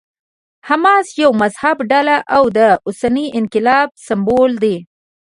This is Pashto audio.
حماس یوه مذهبي ډله او د اوسني انقلاب سمبول دی.